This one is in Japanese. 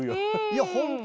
いや本当に。